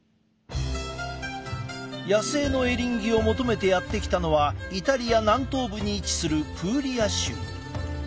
野生のエリンギを求めてやって来たのはイタリア南東部に位置するプーリア州。